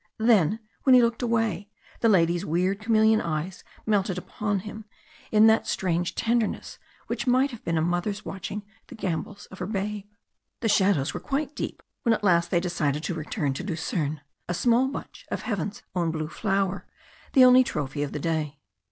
Then, when he looked away, the lady's weird chameleon eyes melted upon him in that strange tenderness which might have been a mother's watching the gambols of her babe. The shadows were quite deep when at last they decided to return to Lucerne a small bunch of heaven's own blue flower the only trophy of the day.